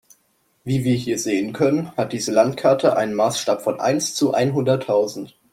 Wie wir hier sehen können, hat diese Landkarte einen Maßstab von eins zu einhunderttausend.